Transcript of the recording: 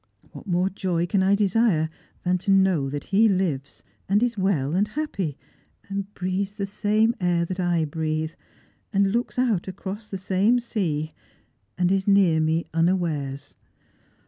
AVhat more joy can I desire than to know that he lives, and is well and happy, and breathes the same air I breathe, and looks out across the same sea, and is near me unawares.